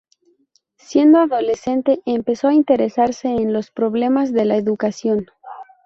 Siendo adolescente, empezó a interesarse en los problemas de la educación.